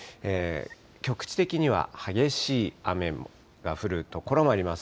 局地的には激しい雨が降る所もあります。